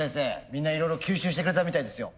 みんないろいろ吸収してくれたみたいですよ。